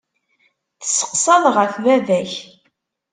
Tesseqsaḍ ɣef baba-k.